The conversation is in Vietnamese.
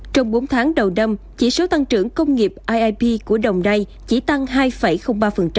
trong bốn tháng đầu năm chỉ số tăng trưởng công nghiệp của đồng nay chỉ tăng hai ba